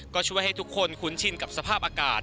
ก็ช่วยให้ทุกคนคุ้นชินกับสภาพอากาศ